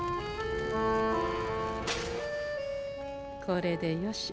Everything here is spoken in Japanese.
これでよし。